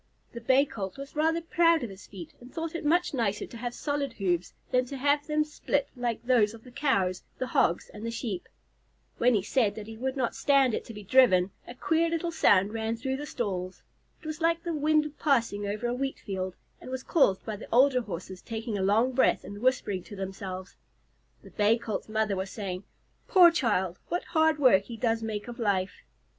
The Bay Colt was rather proud of his feet, and thought it much nicer to have solid hoofs than to have them split, like those of the Cows, the Hogs, and the Sheep. [Illustration: HAD A SORE MOUTH FROM JERKING ON THE LINES.] When he said that he would not stand it to be driven, a queer little sound ran through the stalls. It was like the wind passing over a wheatfield, and was caused by the older Horses taking a long breath and whispering to themselves. The Bay Colt's mother was saying, "Poor child! What hard work he does make of life!"